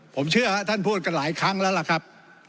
ผมเชื่อท่านพูดกันหลายครั้งแล้วล่ะครับ